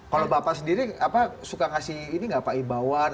kalau bapak sendiri suka ngasih ini gak pak ibaoan